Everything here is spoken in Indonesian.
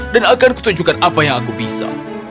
dan akan kutunjukkan apa yang aku bisa